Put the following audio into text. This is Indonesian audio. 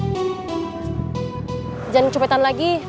jangan cupetan lagi